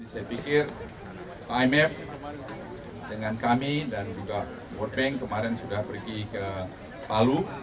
saya pikir imf dengan kami dan juga world bank kemarin sudah pergi ke palu